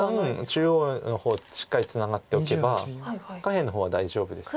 中央の方しっかりツナがっておけば下辺の方は大丈夫ですので。